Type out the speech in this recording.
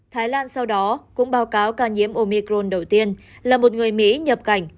thái lan sau đó cũng báo cáo ca nhiễm omicron đầu tiên là một người mỹ nhập cảnh